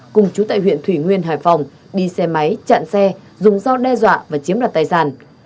cùng chú tại huyện thủy nguyên hải phòng đi xe máy chặn xe dùng dao đe dọa và chiếm đoạt tài sản